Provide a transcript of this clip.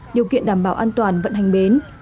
điều kiện đảm bảo an toàn vẫn hành bến